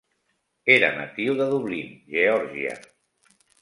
Era natiu de Dublin, Geòrgia.